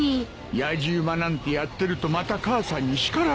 やじ馬なんてやってるとまた母さんに叱られるぞ。